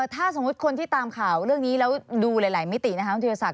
ถ้าสมมุติคนที่ตามข่าวเรื่องนี้แล้วดูหลายมิตินะคะคุณธิรศักด